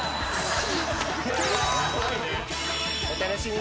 お楽しみに。